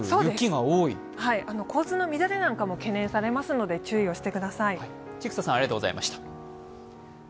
交通の乱れなんかも懸念されますので注意してください。